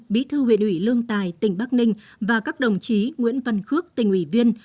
bí thư huyện ủy lương tài tỉnh bắc ninh và các đồng chí nguyễn văn khước tỉnh ủy viên